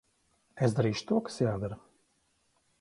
Es darīšu to, kas jādara.